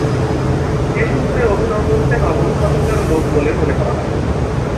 এ সূত্রে অভিনন্দকে নবম শতকের লোক বলে মনে করা হয়।